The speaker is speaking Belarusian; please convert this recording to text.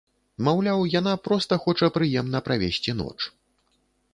Маўляў, яна проста хоча прыемна правесці ноч.